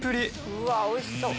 うわおいしそう！